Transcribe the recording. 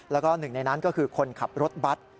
แล้วก็หนึ่งในนั้นก็คือคนขับรถบัตร